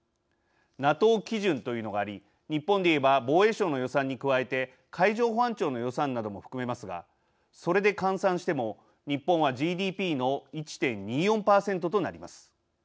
ＮＡＴＯ基準というのがあり日本でいえば防衛省の予算に加えて海上保安庁の予算なども含めますがそれで換算しても日本はＧＤＰの１．２４％となります。